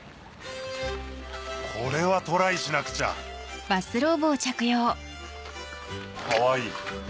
これはトライしなくちゃかわいい。